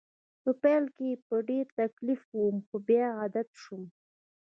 په پیل کې په ډېر تکلیف وم خو بیا عادت شوم